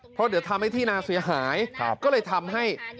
เพราะเดี๋ยวทำให้ที่นาเสียหายก็เลยทำให้